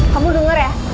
kamu denger ya